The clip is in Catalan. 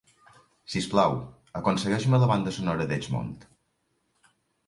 Si us plau, aconsegueix-me la banda sonora d'Edgemont.